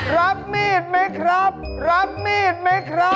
รับมีดไหมครับรับมีดไหมครับ